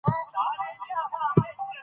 په سبا يې جبار دکلي څو مشران رالېږل.